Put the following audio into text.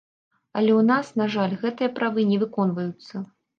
Але ў нас, на жаль, гэтыя правы не выконваюцца.